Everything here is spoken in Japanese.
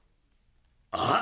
あっ！